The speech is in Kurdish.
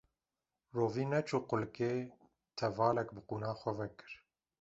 Rovî neçû qulikê tevalek bi qûna xwe ve kir